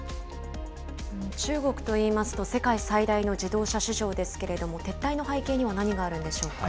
中国といいますと、世界最大の自動車市場ですけれども、撤退の背景には何があるんでしょうか。